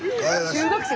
中学生？